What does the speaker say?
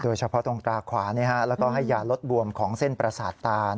เฉพาะตรงตาขวาแล้วก็ให้ยาลดบวมของเส้นประสาทตา